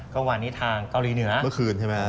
เมื่อวานนี้ทางเกาหลีเหนือเมื่อคืนใช่ไหม